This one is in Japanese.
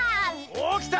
おっきた！